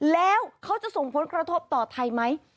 แล้วเขาจะส่งผลกระทบต่อไทยไหม